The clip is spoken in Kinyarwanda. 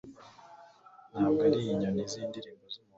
ntabwo ari inyoni z'indirimbo z'umuhondo